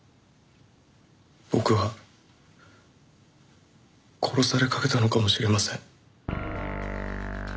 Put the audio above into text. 僕は殺されかけたのかもしれません。